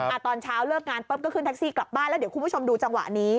ตอนเช้าเลิกงานปุ๊บก็ขึ้นแท็กซี่กลับบ้านแล้วเดี๋ยวคุณผู้ชมดูจังหวะนี้